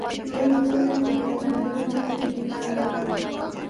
Churinkuna kuyaparninmi kutiykaamun.